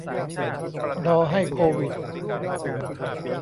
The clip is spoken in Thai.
รอให้โควิด